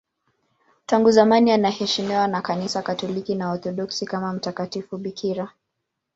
Tangu zamani anaheshimiwa na Kanisa Katoliki na Waorthodoksi kama mtakatifu bikira.